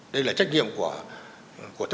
đây là trách nhiệm của chúng tôi